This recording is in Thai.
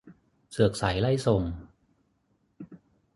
เสือกไสไล่ส่ง